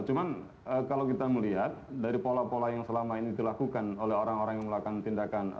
cuman kalau kita melihat dari pola pola yang selama ini dilakukan oleh orang orang yang melakukan tindakan